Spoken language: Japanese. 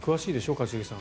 一茂さん。